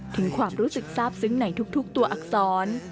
ถึงความรู้สึกทราบซึ้งในทุกตัวอักษร